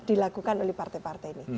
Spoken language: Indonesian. dilakukan oleh partai partai ini